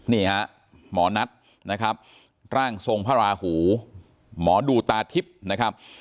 นี่ฮะหมอนัทนะครับร่างทรงพระราหูหมอดูตาทิพย์นะครับ